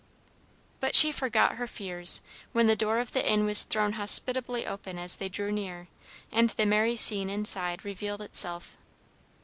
But she forgot her fears when the door of the inn was thrown hospitably open as they drew near, and the merry scene inside revealed itself.